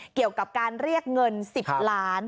เกี่ยวกับการเรียกเงิน๑๐ล้าน